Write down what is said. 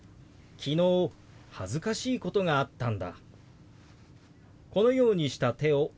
「昨日恥ずかしいことがあったんだ」。